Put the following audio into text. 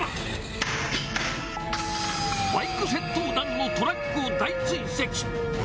バイク窃盗団のトラックを大追跡。